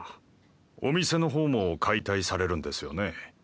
お店の方も解体されるんですよね？